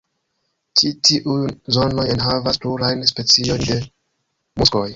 Ĉi tiuj zonoj enhavas plurajn speciojn de muskoj.